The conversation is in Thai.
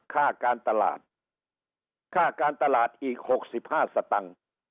ค่าการตลาดค่าการตลาดอีก๖๕สตังค์